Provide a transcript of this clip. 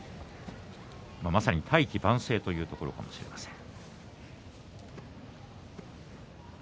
まさに大器晩成というところかもしれません。